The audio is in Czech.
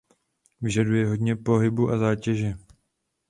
Vyžaduje hodně pohybu a zátěže.